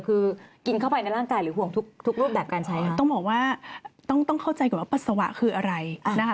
คือกินเข้าไปร่างกายหรือห่วงทุกรูปแบบการใช้